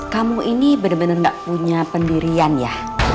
kamu ini bener bener gak punya pendirian ya